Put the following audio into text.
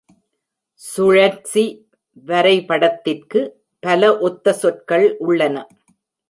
"சுழற்சி வரைபடத்திற்கு" பல ஒத்த சொற்கள் உள்ளன.